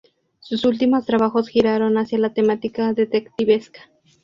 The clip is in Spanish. Sus últimos trabajos giraron hacía la temática detectivesca.